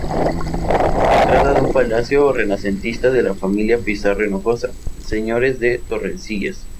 Se trata de un palacio renacentista de la familia Pizarro Hinojosa, señores de Torrecillas.